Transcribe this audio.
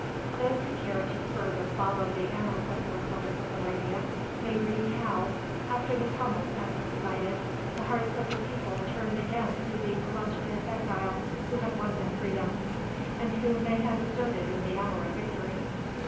Those who care to further follow the annals of the Republic of Laurania may read how, after the tumults had subsided, the hearts of the people turned again to the illustrious exile who had won them freedom, and whom they had deserted in the hour of victory.